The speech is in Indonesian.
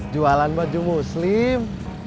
jualan baju muslim